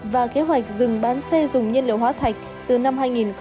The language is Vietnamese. và kế hoạch dừng bán xe dùng nhiên liệu hóa thạch từ năm hai nghìn hai mươi